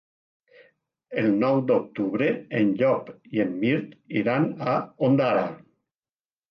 El nou d'octubre en Llop i en Mirt iran a Ondara.